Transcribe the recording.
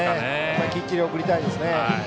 きっちり送りたいですね。